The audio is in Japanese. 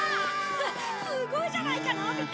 すごいじゃないかのび太！